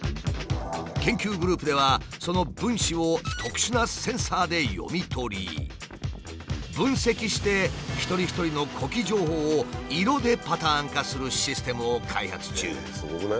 研究グループではその分子を特殊なセンサーで読み取り分析して一人一人の呼気情報を色でパターン化するシステムを開発中。